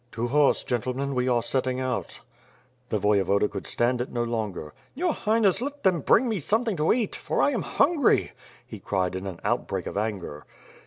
"To horse, gentlemen, we are setting out." The Voyevoda could stand it no longer. "Your Highness, let them bring me something to eat, for I am hungry," he cried in an outbreak of anger.